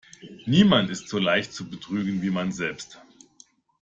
Niemand ist so leicht zu betrügen, wie man selbst.